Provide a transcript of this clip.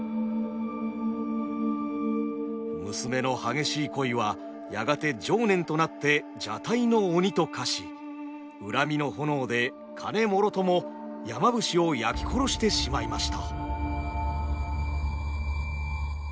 娘の激しい恋はやがて情念となって蛇体の鬼と化し恨みの炎で鐘もろとも山伏を焼き殺してしまいました。